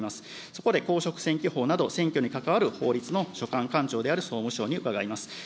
そこで公職選挙法など、選挙に関わる法律の所管官庁である総務省に伺います。